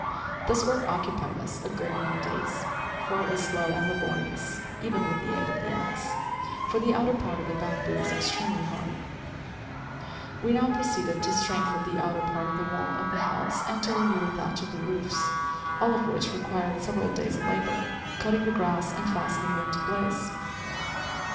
This work occupied us a good many days, for it was slow and laborious, even with the aid of the axe; for the outer part of the bamboo is extremely hard. We now proceeded to strengthen the outer part of the wall of the house, and to renew the thatch of the roofs, all of which required several days of labor, cutting the grass and fastening it into place.